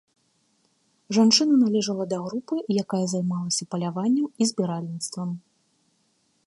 Жанчына належала да групы, якая займалася паляваннем і збіральніцтвам.